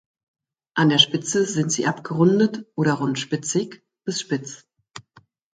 An der Spitze sind sie abgerundet oder rundspitzig bis spitz.